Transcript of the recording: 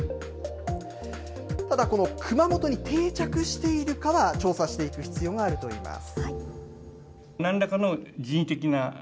ただこの熊本に定着しているかは調査していく必要があるといいます。